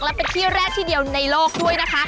และเป็นที่แรกที่เดียวในโลกด้วยนะคะ